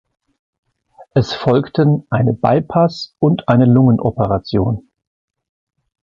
Es folgten eine Bypass- und eine Lungen-Operation.